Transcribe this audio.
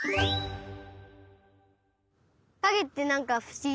かげってなんかふしぎ。